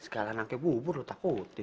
sekalian angke bubur lo takutin